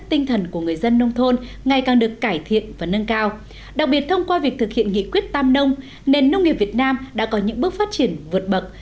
tinh thần của người dân nông thôn ngày càng được cải thiện và nâng cao đặc biệt thông qua việc thực hiện nghị quyết tam nông nền nông nghiệp việt nam đã có những bước phát triển vượt bậc